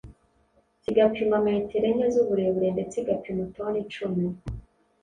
zigapima metero enye z’uburebure ndetse igapima toni icumi